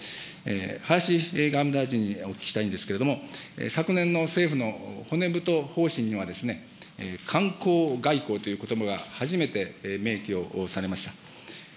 林外務大臣にお聞きしたいんですけれども、昨年の政府の骨太方針には、観光外交ということばが初めて明記をされました。